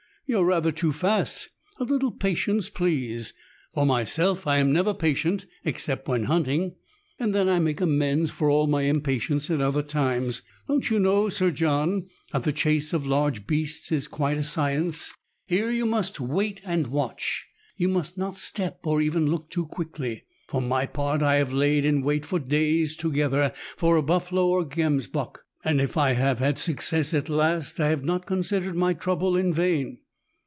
"You are rather too fast. A little patience, please. For myself, I am never patient except when hunting, and then I make amends for all my impatience at other times. Don't you know, Sir John, that the chase of large beasts is quite a science. THREE ENGLISHMEN AND THREE RUSSIANS. 79 Here you must wait and watch. You must not step or even look too quickly. For my part, I have laid in wait for days together for a buffalo or gemsbok, and if I have had success at last, I have not considered my trouble in vain."